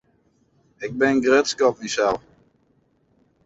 Ik bin grutsk op mysels.